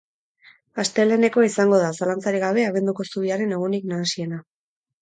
Astelehenekoa izango da, zalantzarik gabe, abenduko zubiaren egunik nahasiena.